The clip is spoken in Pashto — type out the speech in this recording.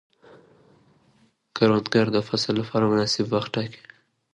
کروندګر د فصل لپاره مناسب وخت ټاکي